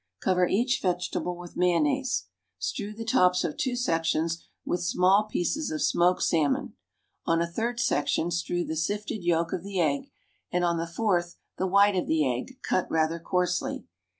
Cover each vegetable with mayonnaise. Strew the tops of two sections with small pieces of smoked salmon; on a third section strew the sifted yolk of the egg, and on the fourth, the white of the egg, cut rather coarsely.